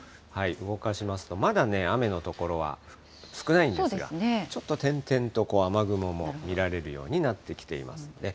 動かしますと、まだね、雨の所は少ないんですが、ちょっと点々と雨雲も見られるようになってきていますね。